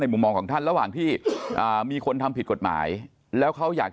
มุมมองของท่านระหว่างที่มีคนทำผิดกฎหมายแล้วเขาอยาก